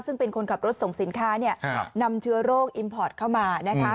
ซึ่งเป็นคนขับรถส่งสินค้านำเชื้อโรคอิมพอร์ตเข้ามานะคะ